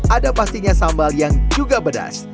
ada pastinya sambal yang juga pedas